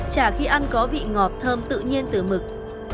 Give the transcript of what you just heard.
chả khi ăn có vị ngọt thơm tự nhiên từ mực